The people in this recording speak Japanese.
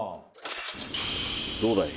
どうだい？